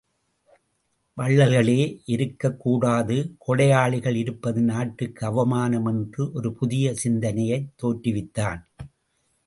வள்ளல்களே இருக்கக் கூடாது கொடையாளிகள் இருப்பது நாட்டுக்கு அவமானம் என்ற ஒரு புதிய சிந்தனையைத் தோற்றுவித்தான்.